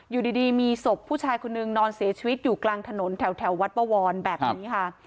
อยู่ดีมีศพผู้ชายคนนึงนอนเสียชีวิตอยู่กลางถนนแถววัดบวรแบบนี้ค่ะ